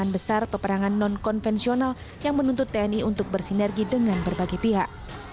tni juga mencari keperangan non konvensional yang menuntut tni untuk bersinergi dengan berbagai pihak